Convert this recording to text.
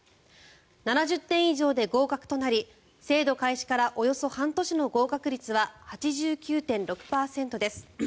７０点以上で合格となり制度開始からおよそ半年の合格率は８９．６％です。